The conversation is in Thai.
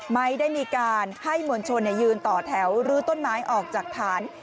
ไม่ได้มีการให้มวลชนยืนต่อแถวรื้อต้นไม้ออกจากฐาน